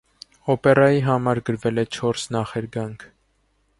Օպերայի համար գրվել է չորս նախերգանք։